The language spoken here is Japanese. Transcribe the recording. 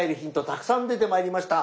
たくさん出てまいりました。